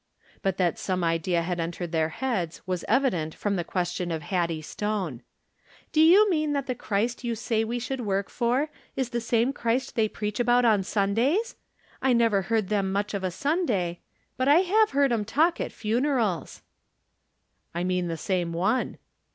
But that some idea had entered their heads was evident from the question of Hattie Stone :" Do you mean that the Christ you say we should work for is the same Christ they preach about on Sundays ? I never heard them much of a Sunday, but I have heard 'em talk at funer als." " I mean the same one."